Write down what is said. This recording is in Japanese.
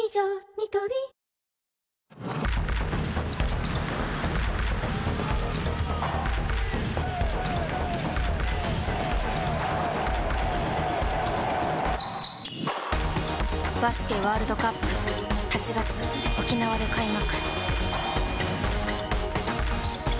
ニトリバスケワールドカップ８月沖縄で開幕